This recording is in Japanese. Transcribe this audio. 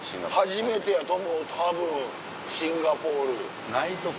初めてやと思うたぶんシンガポール。